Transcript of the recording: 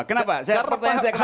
karena pertanyaan saya kenapa